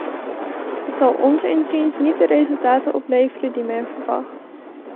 Dat zal ons inziens niet de resultaten opleveren die men verwacht.